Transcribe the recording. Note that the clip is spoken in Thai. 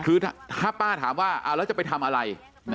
คือถ้าป้าถามว่าเอาแล้วจะไปทำอะไร